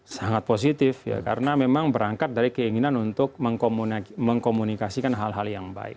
sangat positif ya karena memang berangkat dari keinginan untuk mengkomunikasikan hal hal yang baik